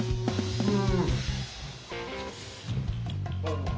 うん。